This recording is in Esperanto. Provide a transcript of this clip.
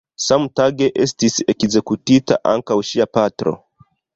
Samtage estis ekzekutita ankaŭ ŝia patro.